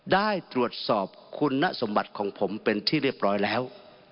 ได้ตรวจสอบคุณสมบัติของผมเป็นที่เรียบร้อยแล้ว